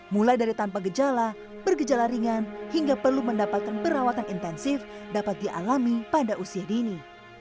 mulai dari tanpa gejala bergejala ringan hingga perlu mendapatkan perawatan intensif dapat dialami pada usia dini